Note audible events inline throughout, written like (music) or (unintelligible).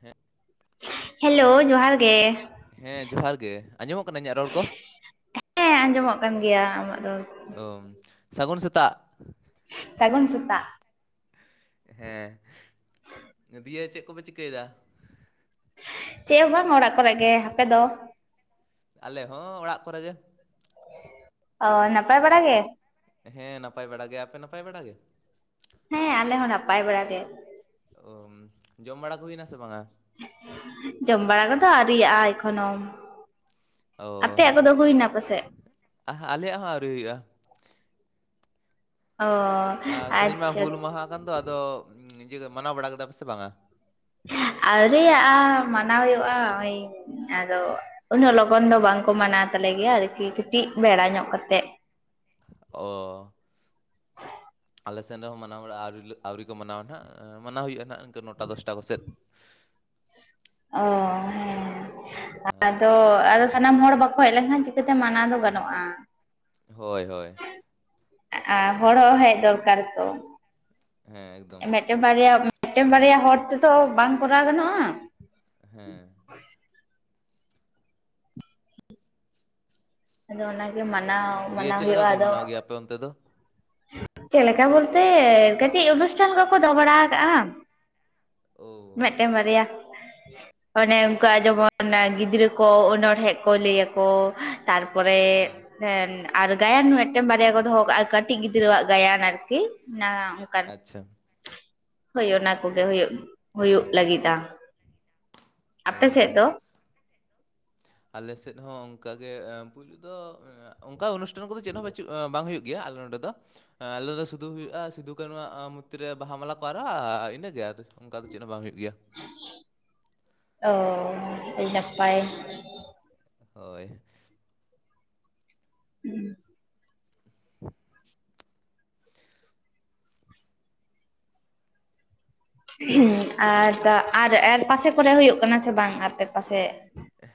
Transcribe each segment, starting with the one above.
ᱦᱮᱸᱜᱼᱼ hello ᱡᱚᱦᱟᱨ ᱜᱮ᱾ ᱦᱮᱸ ᱡᱚᱦᱟᱨ ᱜᱮ ᱟᱸᱡᱚᱢᱚᱜ ᱠᱟᱱᱟ ᱤᱧᱟᱜ ᱨᱚᱲ ᱠᱚ? ᱦᱮᱸ ᱟᱸᱡᱚᱢᱚᱜᱼᱼ ᱠᱟᱱ ᱜᱮᱭᱟ᱾ ᱟᱢᱟᱜ ᱨᱚᱲ ᱚᱢ ᱥᱟᱹᱜᱩᱱ ᱥᱮᱛᱟᱜ᱾ ᱥᱟᱹᱜᱩᱱ ᱥᱮᱛᱟᱜ᱾ ᱦᱮᱸ ᱫᱤᱭᱮ ᱪᱮᱜ ᱠᱚᱯᱮ ᱪᱤᱠᱟᱹᱭ ᱫᱟ? ᱪᱮᱫ ᱦᱚᱸ ᱵᱟᱝ ᱚᱲᱟᱜ ᱠᱚᱨᱮ ᱜᱮ ᱟᱯᱮ ᱫᱚ ᱟᱞᱮ ᱦᱚᱸ ᱚᱲᱟᱜ ᱠᱚᱨᱮ ᱜᱮ ᱚ ᱱᱟᱯᱟᱭ ᱵᱟᱲᱟ ᱜᱮ ᱦᱮᱸ ᱱᱟᱯᱟᱭ ᱵᱟᱲᱟ ᱜᱮ ᱟᱯᱮ ᱱᱟᱯᱟᱭ ᱵᱟᱲᱟ ᱜᱮ ᱦᱮᱸ ᱟᱞᱮ ᱦᱚᱸ ᱱᱟᱯᱟᱭ ᱵᱟᱲᱟ ᱜᱮ ᱚᱢ ᱡᱚᱢ ᱵᱟᱲᱟ ᱠᱚ ᱦᱩᱭᱱᱟ ᱥᱮ ᱵᱟᱝᱟ ᱡᱚᱢ ᱵᱟᱲᱟ ᱠᱚᱫᱚ ᱟᱹᱣᱨᱤᱟᱜᱼᱟ ᱮᱠᱷᱚᱱᱳᱢ ᱟᱯᱮᱭᱟᱜ ᱠᱚᱫᱚ ᱦᱩᱭᱱᱟ ᱯᱟᱥᱮᱡ ᱟᱦᱟ ᱟᱞᱮᱭᱟᱜ ᱦᱚᱸ ᱟᱹᱣᱨᱤ ᱦᱩᱭᱩᱜᱼᱟ ᱚᱻᱼᱼ ᱟᱨ ᱛᱮᱦᱮᱧ ᱢᱟ ᱦᱩᱞ ᱢᱟᱦᱟ ᱠᱟᱱ ᱫᱚ ᱟᱫᱚ ᱱᱤᱡᱮ ᱜᱮ ᱢᱟᱱᱟᱣ ᱵᱟᱲᱟ ᱠᱮᱫᱟ ᱯᱮ ᱥᱮ ᱵᱟᱝ-ᱟ ᱟᱹᱣᱨᱤ-ᱟ ᱢᱟᱱᱟᱣ ᱦᱩᱭᱩᱜᱼᱟ ᱳᱭ ᱟᱫᱚ ᱩᱱᱟᱹᱜ ᱞᱚᱜᱚᱱ ᱫᱚ ᱵᱟᱝᱠᱚ ᱢᱟᱱᱟᱣ ᱛᱟᱞᱮ ᱜᱮᱭᱟ ᱟᱨᱠᱤ ᱠᱟᱹᱴᱤᱡ ᱵᱮᱲᱟ ᱧᱚᱜ ᱠᱟᱛᱮᱜ ᱚ (unintelligible) ᱟᱞᱮ ᱥᱮᱱ ᱨᱮᱦᱚᱸ ᱢᱟᱱᱟᱣ ᱵᱟᱲᱟ ᱟᱹᱣᱨᱤ ᱞᱮ ᱟᱹᱣᱨᱤ ᱠᱚ ᱢᱟᱱᱟᱣᱟ ᱱᱟᱦᱟ, ᱢᱟᱱᱟᱣ ᱦᱩᱭᱩᱜᱼᱟ ᱱᱟᱦᱟᱜ ᱤᱱᱠᱟᱹ ᱱᱚᱴᱟ ᱫᱚᱥᱴᱟ ᱠᱚᱥᱮᱫ᱾ ᱚᱸᱻ ᱦᱮᱸ ᱟᱫᱚ, ᱟᱫᱚ ᱥᱟᱱᱟᱢ ᱦᱚᱲ ᱵᱟᱠᱚ ᱦᱮᱡ ᱞᱮᱱᱠᱷᱟᱱ ᱪᱤᱠᱟᱹᱛᱮ ᱢᱟᱱᱟᱣ ᱫᱚ ᱜᱟᱱᱚᱜᱼᱟ᱾ ᱦᱳᱭ ᱦᱳᱭ᱾ ᱟᱸᱻ ᱦᱚᱲ ᱦᱚᱸ ᱦᱮᱡ ᱫᱚᱨᱠᱟᱨ ᱛᱚ᱾ ᱦᱮᱸ ᱮᱠᱫᱚᱢ᱾ ᱢᱤᱜᱴᱮᱱ ᱵᱟᱨᱭᱟ ᱢᱤᱜᱴᱮᱱ ᱵᱟᱨᱭᱟ ᱦᱚᱲ ᱛᱮᱫᱚ ᱵᱟᱝ ᱠᱚᱨᱟᱣ ᱜᱟᱱᱚᱜᱼᱟ᱾ ᱦᱮᱸ᱾ ᱟᱫᱚ ᱚᱱᱟᱜᱮ ᱢᱟᱱᱟᱣ, ᱫᱤᱭᱮ ᱢᱟᱱᱟᱣ ᱪᱮᱫ ᱞᱮᱠᱟ ᱦᱩᱭᱩᱜᱼᱟ ᱠᱚ ᱟᱫᱚ ᱢᱟᱱᱟᱣ ᱜᱮᱭᱟ ᱟᱯᱮ ᱚᱱᱛᱮ ᱫᱚ? ᱪᱮᱜ ᱞᱮᱠᱟ ᱵᱚᱞᱛᱮ ᱠᱟᱹᱴᱤᱡ ᱚᱱᱩᱥᱴᱷᱟᱱ ᱠᱚᱠᱚ ᱫᱚᱦᱚ ᱵᱟᱲᱟ ᱟᱠᱟᱜᱼᱟ᱾ ᱳ᱾ ᱢᱤᱜᱴᱟᱝ ᱵᱟᱨᱭᱟ᱾ ᱚᱱᱮ ᱚᱱᱠᱟ ᱡᱮᱢᱚᱱ ᱜᱤᱫᱽᱨᱟᱹ ᱠᱚ ᱚᱱᱚᱚᱲᱦᱮᱸᱜ ᱠᱚ ᱞᱟᱹᱭ ᱟᱠᱚ᱾ ᱛᱟᱨᱯᱚᱨᱮ ᱦᱮᱸ ᱟᱨ ᱜᱟᱭᱟᱱ ᱢᱤᱜᱴᱮᱱ ᱵᱟᱨᱭᱟ ᱠᱚ ᱫᱚᱦᱚ ᱠᱟᱜᱼᱟ ᱠᱟᱹᱴᱤᱡ ᱜᱤᱫᱽᱨᱟᱹᱣᱟᱜ ᱜᱟᱭᱟᱱ ᱟᱨᱠᱤ᱾ ᱚᱱᱟ ᱚᱱᱠᱟᱱ ᱟᱪᱪᱷᱟ᱾ ᱦᱳᱭ ᱚᱱᱟ ᱠᱚᱜᱮ ᱦᱩᱭᱩᱜ, ᱦᱩᱭᱩᱜ ᱞᱟᱹᱜᱤᱫᱼᱟ᱾ ᱟᱯᱮ ᱚᱻ ᱥᱮᱫ ᱫᱚ ᱟᱞᱮ ᱥᱮᱫ ᱦᱚᱸ ᱚᱱᱠᱟᱜᱮ ᱯᱩᱭᱞᱩ ᱫᱚ, ᱚᱱᱠᱟ ᱚᱱᱩᱥᱴᱷᱟᱱ ᱠᱚᱫᱚ ᱪᱮᱫ ᱦᱚᱸ ᱵᱟᱹᱪᱩᱜ ᱵᱟᱝ ᱦᱩᱭᱩᱜ ᱜᱮᱭᱟ ᱟᱞᱮ ᱱᱚᱰᱮ ᱫᱚ᱾ ᱟᱞᱮ ᱫᱚ ᱥᱩᱫᱷᱩ ᱦᱩᱭᱩᱜᱼᱟ, ᱥᱤᱫᱩ ᱠᱟᱱᱩ ᱣᱟᱜ ᱢᱩᱨᱛᱤ ᱨᱮ ᱵᱟᱦᱟ ᱢᱟᱞᱟ ᱠᱚ ᱟᱨᱟᱣ ᱤᱱᱟᱹᱜᱮ ᱟᱫᱚ ᱪᱮᱫ ᱚᱱᱠᱟ ᱫᱚ ᱪᱮᱫ ᱦᱚᱸ ᱵᱟᱝ ᱦᱩᱭᱩᱜ ᱜᱮᱭᱟ᱾ ᱚᱻ ᱟᱹᱰᱤ ᱱᱟᱯᱟᱭ᱾ ᱦᱳᱭ᱾ (inaudible) (inaudible) ᱟᱨ, ᱛᱟᱨ ᱟᱨ ᱯᱟᱥᱮ ᱠᱚᱨᱮ ᱦᱩᱭᱩᱜ ᱠᱟᱱᱟ ᱥᱮ ᱵᱟᱝ ᱟᱯᱮ ᱯᱟᱥᱮ?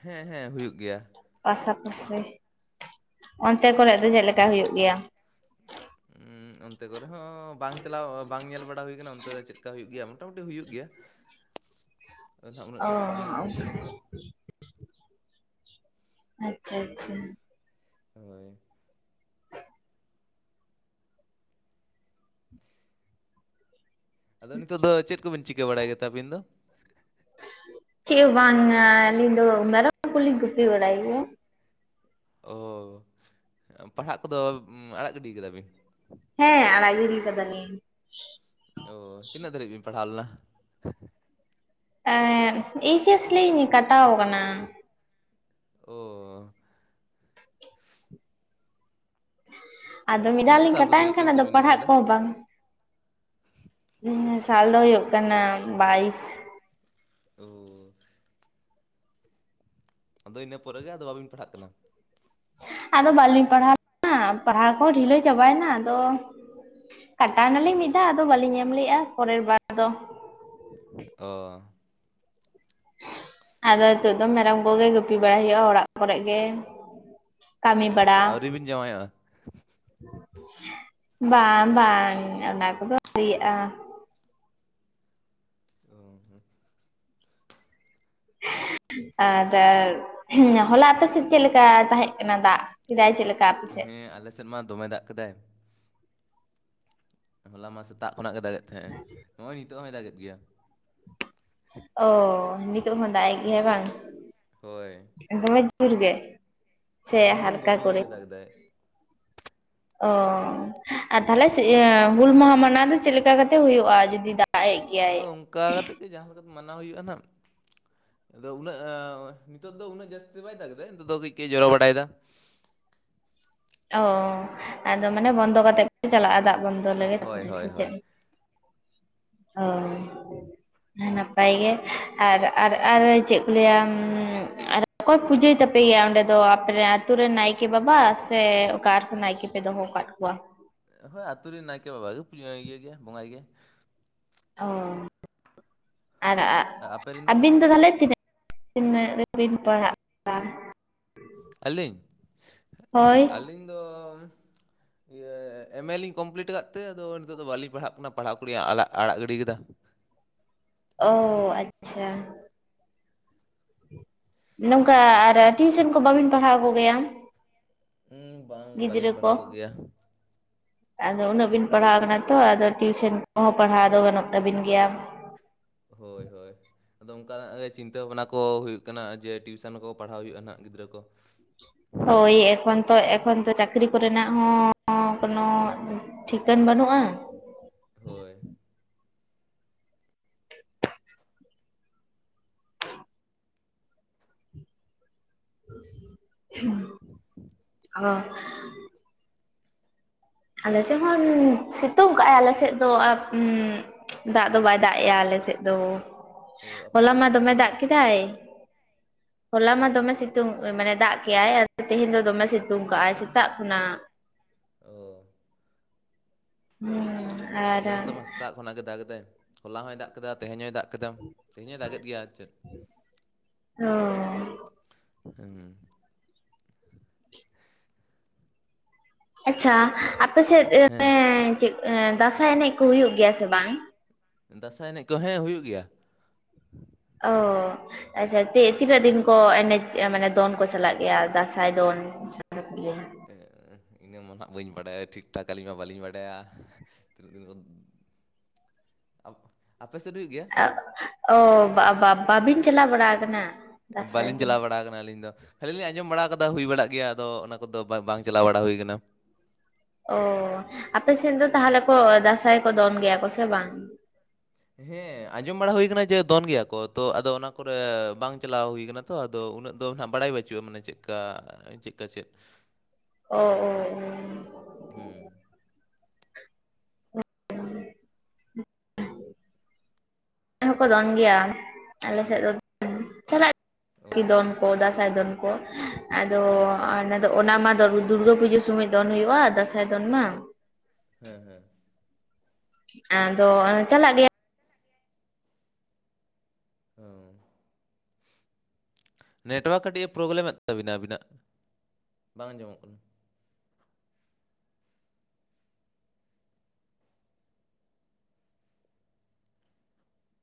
ᱦᱮᱸ ᱦᱮᱸ ᱦᱩᱭᱩᱜ ᱜᱮᱭᱟ᱾ ᱯᱟᱥᱟ ᱯᱟᱥᱮ ᱚᱱᱛᱮ ᱠᱚᱨᱮ ᱫᱚ ᱪᱮᱜ ᱞᱮᱠᱟ ᱦᱩᱭᱩᱜ ᱜᱮᱭᱟ? ᱩᱸ ᱚᱱᱛᱮ ᱠᱚᱨᱮ ᱦᱚᱸ ᱵᱟᱝ ᱪᱟᱞᱟᱣ ᱵᱟᱝ ᱧᱮᱞ ᱵᱟᱲᱟ ᱦᱩᱭ ᱠᱟᱱᱟ, ᱚᱱᱛᱮ ᱫᱚ ᱪᱮᱫ ᱞᱮᱠᱟ ᱦᱩᱭᱩᱜ ᱜᱮᱭᱟ ᱢᱳᱴᱟᱢᱩᱴᱤ ᱦᱩᱭᱩᱜ ᱜᱮᱭᱟ ᱟᱫᱚ ᱱᱟᱦᱟᱜ ᱩᱱᱟᱹᱜ ᱚ ᱱᱚᱣᱟ ᱫᱚ ᱵᱟᱝ ᱧᱮᱞ ᱦᱩᱭ ᱟᱪᱪᱷᱟ ᱠᱟᱱᱟ᱾ ᱟᱪᱪᱷᱟ ᱟᱪᱪᱷᱟ᱾ ᱦᱳᱭ᱾ ᱟᱫᱚ ᱱᱤᱛᱚᱜ ᱫᱚ ᱪᱮᱜ ᱠᱚᱵᱤᱱ ᱪᱤᱠᱟᱹ ᱵᱟᱲᱟᱭ ᱜᱮᱛᱮ ᱟᱵᱤᱱ ᱫᱚ? ᱪᱮᱜ ᱦᱚ ᱵᱟᱝ ᱟᱹᱞᱤᱧ ᱫᱚ ᱢᱮᱨᱚᱢ ᱠᱚᱞᱤᱧ ᱜᱩᱯᱤ ᱵᱟᱲᱟᱭ ᱜᱮᱭᱟ᱾ ᱚᱻ ᱯᱟᱲᱦᱟᱜ ᱠᱚᱫᱚ ᱟᱲᱟᱜ ᱜᱤᱰᱤ ᱠᱟᱫᱟ ᱵᱤᱱ? ᱦᱮᱸ ᱟᱲᱟᱜ ᱜᱤᱰᱤᱭ ᱠᱟᱫᱟᱞᱤᱧ᱾ ᱛᱚ ᱛᱤᱱᱟᱹᱜ ᱫᱷᱟᱨᱤᱡ ᱵᱤᱱ ᱯᱟᱲᱦᱟᱣ ᱞᱮᱱᱟ? ᱮᱸᱜ ᱮᱭᱤᱪ ᱮᱥ ᱞᱤᱧ ᱠᱟᱴᱟᱣ ᱠᱟᱱᱟ᱾ ᱳ᱾ ᱟᱫᱚ ᱢᱤ ᱫᱷᱟᱣ ᱛᱤᱱᱟᱹᱜ ᱞᱤᱧ ᱥᱟᱞ ᱨᱮᱫᱚ ᱠᱟᱴᱟᱣᱮᱱ ᱮᱭᱤᱪ ᱠᱷᱟᱱ ᱮᱥ ᱟᱫᱚ ᱫᱚᱵᱤᱱ ᱮᱢ ᱯᱟᱲᱦᱟᱜ ᱞᱮᱫᱟ ᱠᱚᱦᱚᱸ ᱵᱟᱝ ᱥᱟᱞ ᱫᱚ ᱦᱩᱭᱩᱜ ᱠᱟᱱᱟ ᱵᱟᱭᱤᱥ᱾ ᱳ ᱾ ᱟᱫᱚ ᱤᱱᱟᱹ ᱯᱚᱨᱮ ᱜᱮ ᱟᱫᱚ ᱵᱟᱹᱵᱤᱱ ᱯᱟᱲᱦᱟᱜ ᱠᱟᱱᱟ᱾ ᱟᱫᱚ ᱵᱟᱹᱞᱤᱧ ᱯᱟᱲᱦᱟᱣ ᱞᱮᱱᱟ, ᱯᱟᱲᱦᱟᱣ ᱠᱚᱦᱚᱸ ᱰᱷᱤᱞᱟᱹ ᱪᱟᱵᱟᱭᱮᱱᱟ᱾ ᱟᱫᱚ, ᱠᱟᱴᱟᱣ ᱚ ᱱᱟᱞᱤᱧ ᱢᱤᱜ ᱫᱷᱟᱣ ᱟᱫᱚ ᱵᱟᱹᱞᱤᱧ ᱮᱢ ᱞᱮᱜᱼᱟ ᱯᱚᱨᱮᱨ ᱵᱟᱨ ᱫᱚ᱾ ᱚ᱾ ᱟᱫᱚ ᱦᱤᱛᱳᱜ ᱫᱚ ᱢᱮᱨᱚᱢ ᱠᱚᱜᱮ ᱜᱩᱯᱤ ᱵᱟᱲᱟᱭ ᱦᱩᱭᱩᱜᱼᱟ ᱚᱲᱟᱜ ᱠᱚᱨᱮᱜ ᱜᱮ᱾ ᱠᱟᱹᱢᱤ ᱚ ᱵᱟᱲᱟ᱾ ᱟᱹᱣᱨᱤ ᱵᱤᱱ ᱡᱟᱶᱟᱭᱚᱜᱼᱟ ᱵᱟᱝ ᱵᱟᱝ ᱚᱱᱟ ᱠᱚᱫᱚ ᱟᱣᱨᱤᱭᱟᱜᱼᱟ᱾ ᱚᱦᱚ ᱟᱨ ᱦᱩᱸ ᱦᱚᱞᱟ ᱟᱯᱮ ᱥᱮᱫ ᱪᱮᱫ ᱞᱮᱠᱟ ᱛᱟᱦᱮᱸ ᱠᱟᱱᱟ ᱫᱟᱜ ᱠᱮᱫᱟᱭ ᱪᱮᱫ ᱞᱮᱠᱟ? ᱟᱯᱮ ᱥᱮᱫ ᱦᱮᱸ ᱟᱞᱮ ᱥᱮᱫ ᱢᱟ ᱫᱚᱢᱮ ᱫᱟᱜ ᱠᱮᱫᱟᱭ᱾ ᱦᱚᱞᱟ ᱢᱟ ᱥᱮᱛᱟᱜ ᱠᱷᱚᱱᱟᱜ ᱜᱮ ᱫᱟᱜᱮ ᱛᱟᱦᱮᱸᱜ, ᱱᱚᱜᱼᱚᱭ ᱱᱤᱛᱚᱜ ᱦᱚᱸᱭ ᱫᱟᱜᱮᱫ ᱜᱮᱭᱟ᱾ ᱚ ᱱᱤᱛᱚᱜ ᱦᱚᱸ ᱫᱟᱜ ᱮᱫ ᱜᱮᱭᱟ ᱦᱚ- ᱵᱟᱝ ᱦᱳᱭ ᱫᱚᱢᱮ ᱡᱳᱨ ᱜᱮ? ᱥᱮ ᱦᱩᱸ ᱦᱟᱞᱠᱟ ᱫᱚᱢᱮ ᱡᱳᱨ ᱠᱚᱨᱮ ᱜᱮ ᱫᱟᱜ ᱫᱟᱭ᱾ ᱚᱸ ᱟᱨ ᱛᱟᱞᱦᱮ ᱦᱩᱞ ᱢᱟᱦᱟ ᱢᱟᱱᱟᱣ ᱫᱚ ᱪᱮᱫ ᱞᱮᱠᱟ ᱠᱟᱛᱮ ᱦᱩᱭᱩᱜᱼᱟ, ᱡᱩᱫᱤ ᱫᱟᱜ ᱮᱜ ᱜᱮᱭᱟᱭ ᱟᱫᱚ ᱚᱱᱠᱟ ᱠᱟᱛᱮᱫ ᱜᱮ ᱡᱟᱦᱟᱸ ᱞᱮᱠᱟ ᱛᱮ ᱢᱟᱱᱟᱣ ᱦᱩᱭᱩᱜᱼᱟ ᱱᱦᱟᱸᱜ᱾ ᱟᱫᱚ ᱩᱱᱟᱹᱜ ᱱᱤᱛᱚᱜ ᱫᱚ ᱩᱱᱟᱹᱜ ᱡᱟᱹᱥᱛᱤ ᱫᱚ ᱵᱟᱭ ᱫᱟᱜ ᱮᱫᱟ ᱱᱤᱛᱚᱜ ᱫᱚ ᱠᱟᱹᱡ ᱠᱟᱹᱡ ᱮ ᱡᱚᱨᱚ ᱵᱟᱲᱟᱭᱫᱟ᱾ ᱚ ᱟᱫᱚ ᱢᱟᱱᱮ ᱵᱚᱱᱫᱚ ᱠᱟᱛᱮᱜ ᱯᱮ ᱪᱟᱞᱟᱜᱼᱟ, ᱫᱟᱜ ᱵᱚᱱᱫᱚ ᱞᱮᱜᱮ ᱦᱳᱭ ᱛᱟᱨᱯᱚᱨᱮ ᱦᱳᱭ ᱥᱮ ᱪᱮᱫ? ᱦᱳᱭ ᱦᱳᱭ᱾ ᱱᱟᱯᱟᱭ ᱜᱮ ᱟᱨᱻᱟᱨᱻᱟᱨ ᱪᱮᱫ ᱠᱚ ᱞᱟᱹᱭᱟ ᱟᱨ ᱚᱠᱚᱭ ᱯᱩᱡᱟᱹᱭ ᱛᱟᱯᱮ ᱜᱮᱭᱟ ᱚᱸᱰᱮ ᱫᱚ? ᱟᱯᱮ ᱨᱮᱱ ᱟᱹᱛᱩ ᱨᱮᱱ ᱱᱟᱭᱠᱮ ᱵᱟᱵᱟ? ᱥᱮ ᱚᱠᱟ ᱚᱨᱦᱚᱸ ᱱᱟᱭᱠᱮ ᱯᱮ ᱫᱚᱦᱚ ᱠᱟᱫ ᱠᱚᱣᱟ? ᱦᱳᱭ ᱟᱹᱛᱩ ᱨᱮᱱ ᱱᱟᱭᱠᱮ ᱵᱟᱵᱟ ᱜᱮ, ᱯᱩᱡᱟᱹ ᱤᱭᱟᱹᱭ ᱜᱮᱭᱟ ᱵᱚᱸᱜᱟᱭ ᱜᱮᱭᱟ᱾ ᱚᱸ ᱟᱨ ᱟᱯᱮ ᱨᱮᱱ ᱟᱹᱵᱤᱱ ᱫᱚ ᱛᱟᱦᱚᱞᱮ ᱛᱤᱱᱟᱹᱜ? ᱛᱤᱱᱟᱹᱜ ᱨᱮᱵᱤᱱ ᱯᱟᱲᱦᱟᱜ ᱠᱟᱱ ᱟᱹᱞᱤᱧ ᱦᱳᱭ ᱟᱹᱞᱤᱧ ᱫᱚ ᱤᱭᱟᱹ ᱮᱢ ᱮ ᱞᱤᱧ ᱠᱚᱢᱯᱞᱤᱴ ᱠᱟᱫ ᱛᱮ, ᱟᱫᱚ ᱱᱤᱛᱚᱜ ᱫᱚ ᱵᱟᱹᱞᱤᱧ ᱯᱟᱲᱦᱟᱜ ᱠᱟᱱᱟ ᱯᱟᱲᱦᱟᱜ ᱠᱚᱞᱤ ᱟᱲᱟᱜ ᱟᱲᱟᱜ ᱜᱤᱰᱤ ᱠᱟᱫᱟ ᱾ ᱚ ᱟᱪᱪᱷᱟ᱾ ᱱᱚᱝᱠᱟ ᱟᱨ ᱴᱤᱭᱩᱥᱮᱱ ᱠᱚ ᱵᱟᱹᱵᱤᱱ ᱯᱟᱲᱦᱟᱣ ᱠᱚᱜᱮᱭᱟ? ᱩᱸ ᱵᱟᱝ ᱜᱤᱫᱽᱨᱟᱹ ᱵᱟᱹᱞᱤᱧ ᱯᱟᱲᱦᱟᱣ ᱠᱚ? ᱠᱚᱜᱮᱭᱟ᱾ ᱟᱫᱚ ᱩᱱᱟᱹᱜ ᱵᱤᱱ ᱯᱟᱲᱦᱟᱣ ᱠᱟᱱᱟ ᱛᱚ ᱟᱫᱚ ᱴᱤᱭᱩᱥᱚᱱ ᱠᱚᱦᱚᱸ, ᱯᱟᱲᱦᱟᱣ ᱫᱚ ᱜᱟᱹᱱᱚᱜ ᱛᱟᱵᱤᱱ ᱜᱮᱭᱟ᱾ ᱦᱳᱭᱻᱦᱳᱭ᱾ ᱟᱫᱚ ᱚᱱᱠᱟᱱᱟᱜ ᱜᱮ ᱪᱤᱱᱛᱟᱹ ᱵᱷᱟᱵᱽᱱᱟ ᱠᱚ ᱦᱩᱭᱩᱜ ᱠᱟᱱᱟ ᱡᱮ, ᱴᱤᱭᱩᱥᱚᱱ ᱠᱚ ᱯᱟᱲᱦᱟᱣ ᱦᱩᱭᱩᱜᱼᱟ, ᱱᱷᱟᱜ ᱜᱤᱫᱽᱨᱟᱹ ᱠᱚ ᱾ ᱦᱳᱭ ᱮᱠᱷᱚᱱ ᱛᱚ ᱮᱠᱷᱚᱱ ᱛᱚ ᱪᱟᱹᱠᱨᱤ ᱠᱚᱨᱮᱱᱟᱜ ᱦᱚᱸ ᱠᱳᱱᱳ ᱴᱷᱤᱠᱟᱹᱱ ᱵᱟᱹᱱᱩᱜᱼᱟ᱾ ᱦᱳᱭ᱾ ᱦᱩᱸ (inaudible) ᱚᱸᱻ ᱟᱞᱮ ᱥᱮᱫ ᱦᱚᱸ ᱥᱤᱛᱩᱝ ᱠᱟᱜᱼᱟᱭ ᱟᱞᱮ ᱥᱮᱫ ᱫᱚ ᱟᱸ ᱫᱟᱜ ᱫᱚ ᱵᱟᱭ ᱫᱟᱜᱮᱼᱟ ᱟᱞᱮ ᱥᱮᱫ ᱫᱚ, ᱚ ᱟᱯᱮ ᱦᱚᱞᱟ ᱥᱮᱫ ᱫᱚᱭ ᱢᱟ ᱥᱤᱛᱩᱝ ᱫᱚᱢᱮ ᱠᱟᱫᱟ ᱫᱟᱜ ᱠᱮᱫᱟᱭ᱾ ᱦᱚᱞᱟ ᱢᱟ ᱦᱳᱭ ᱫᱚᱢᱮ ᱥᱤᱛᱩᱝ ᱢᱟᱱᱮ ᱫᱟᱜ ᱠᱮᱜᱟᱭ ᱛᱮᱦᱮᱸᱧ ᱫᱚᱢᱮ ᱥᱤᱛᱩᱝ ᱠᱟᱜᱼᱟᱭ ᱥᱮᱛᱟᱜ ᱠᱷᱚᱱᱟᱜ᱾ ᱳ (unintelligible) ᱟᱞᱮ ᱱᱚᱛᱮ ᱢᱟ ᱥᱮᱛᱟᱜ ᱠᱷᱚᱱᱟᱜ ᱜᱮ ᱫᱟᱜᱽ ᱮᱫᱟᱭ, ᱦᱚᱞᱟ ᱦᱚᱭ ᱫᱟᱜ ᱠᱮᱫᱟ ᱛᱮᱦᱮᱸᱧ ᱦᱚᱭ ᱫᱟᱜ ᱠᱮᱫᱟᱢ ᱛᱮᱦᱮᱸᱧ ᱦᱚᱸ ᱫᱟᱜᱮ ᱜᱮᱭᱟ, ᱟᱨ ᱪᱮᱫ ᱚᱸᱻ᱾ ᱦᱮᱜ ᱮᱸ ᱟᱪᱪᱷᱟ ᱟᱯᱮᱥᱮᱫ ᱦᱮᱸ ᱪᱮᱫ ᱫᱟᱸᱥᱟᱭ ᱮᱱᱮᱡ ᱠᱚ ᱦᱩᱭᱩᱜ ᱜᱮᱭᱟ ᱥᱮ ᱵᱟᱝ? ᱫᱟᱸᱥᱟᱭ ᱮᱱᱮᱡ ᱠᱚ ᱦᱮᱸ ᱦᱩᱭᱩᱜ ᱜᱮᱭᱟ᱾ ᱚᱻ᱾ ᱟᱪᱪᱷᱟ ᱛᱤ ᱛᱤᱱᱟᱹᱜ ᱫᱤᱱ ᱠᱚ ᱮᱱᱮᱡ ᱢᱟᱱᱮ ᱫᱚᱱ ᱠᱚ ᱪᱟᱞᱟᱜ ᱜᱮᱭᱟ, ᱫᱟᱸᱥᱟᱭ ᱫᱚᱱ? ᱢᱮᱱᱟᱢ ᱜᱮᱭᱟ (unintelligible) ᱤᱱᱟᱹ ᱢᱟ ᱦᱟᱸᱜ ᱵᱟᱹᱧ ᱵᱟᱰᱟᱭᱟ ᱴᱷᱤᱠ ᱴᱷᱟᱠ, ᱟᱹᱞᱤᱧ ᱢᱟ ᱵᱟᱹᱞᱤᱧ ᱵᱟᱰᱟᱭᱟ ᱛᱤᱱᱟᱹᱜ ᱫᱤᱱ ᱟᱯᱮ ᱥᱮᱫ ᱦᱩᱭᱩᱜ ᱜᱮᱭᱟ? ᱚ ᱵᱟ ᱱᱟ ᱵᱤᱱ ᱪᱟᱞᱟᱣ ᱵᱟᱲᱟ ᱠᱟᱱᱟ ᱫᱟᱸᱥᱟᱭ ᱫᱚᱱ? (unintelligible) ᱟᱠᱟᱱᱟ ᱟᱞᱤᱧ ᱫᱚ ᱟᱹᱞᱤ ᱞᱤᱧ ᱟᱸᱡᱚᱢ ᱵᱟᱲᱟ ᱟᱠᱟᱫᱟ ᱦᱩᱭ ᱵᱟᱲᱟᱜ ᱜᱮᱭᱟ ᱟᱫᱚ ᱚᱱᱟ ᱠᱚᱫᱚ ᱵᱟᱝ ᱵᱟᱝ ᱪᱟᱞᱟᱣ ᱵᱟᱲᱟ ᱦᱩᱭ ᱟᱠᱟᱱᱟ᱾ ᱚ (unintelligible) ᱟᱯᱮ ᱥᱮᱫ ᱫᱚ ᱛᱟᱦᱚᱞᱮ ᱠᱚ ᱫᱟᱸᱥᱟᱭ ᱠᱚ ᱫᱚᱱ ᱜᱮᱭᱟ ᱠᱚ ᱥᱮ ᱵᱟᱝ? ᱦᱮᱸ ᱟᱸᱡᱚᱢ ᱵᱟᱲᱟ ᱦᱩᱭ ᱟᱠᱟᱱᱟ ᱡᱮ ᱫᱚᱱ ᱜᱮᱭᱟ ᱠᱚ ᱛᱚ ᱟᱫᱚ ᱚᱱᱟ ᱠᱚᱨᱮ ᱵᱟᱝ ᱪᱟᱞᱟᱣ ᱦᱩᱭ ᱟᱠᱟᱱᱟ᱾ ᱛᱚ ᱟᱫᱚ ᱩᱱᱟᱹᱜ ᱫᱚ ᱦᱟᱸᱜ ᱵᱟᱲᱟᱭ ᱵᱟᱹᱪᱩᱜᱼᱟ ᱢᱟᱱᱮ ᱪᱮᱫᱠᱟ ᱪᱮᱫᱠᱟ ᱪᱮᱫ ᱚ ᱤᱭᱟᱹ ᱚ ᱠᱚ ᱦᱩᱸ (unintelligible) ᱟᱞᱮ ᱦᱚᱸᱠᱚ ᱫᱚᱱ ᱜᱮᱭᱟ ᱟᱞᱮ ᱥᱮᱫ ᱫᱚ ᱪᱟᱞᱟᱜ ᱚ (unintelligible) ᱫᱚᱱ ᱠᱚ ᱫᱟᱸᱥᱟᱭ ᱫᱚᱱ ᱠᱚ ᱟᱫᱚ ᱦᱮᱸ ᱟᱨ ᱚᱱᱟᱫᱚ ᱚᱱᱟ ᱢᱟ ᱫᱩᱨᱜᱟᱹ ᱯᱩᱡᱟᱹ ᱥᱚᱢᱚᱭ ᱫᱚᱱ ᱦᱩᱭᱩᱜᱼᱟ ᱫᱟᱸᱥᱟᱭ ᱫᱚᱱ ᱢᱟ᱾ ᱦᱮᱸ ᱦᱮᱸ ᱟᱫᱚ ᱪᱟᱞᱟᱜ ᱜᱮᱭᱟ ᱦᱮᱸ (unintelligible) ᱱᱮᱴᱳᱣᱟᱨᱠ ᱠᱟᱹᱴᱤᱡ ᱮ ᱯᱨᱚᱵᱞᱮᱢᱮᱫ ᱛᱟᱹᱵᱤᱱᱟ ᱟᱹᱵᱤᱱᱟᱜ (unintelligible) ᱵᱟᱝ ᱟᱸᱡᱚᱢᱚᱜ ᱠᱟᱱᱟ᱾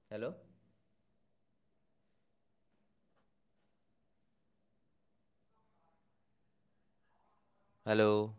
Hello hello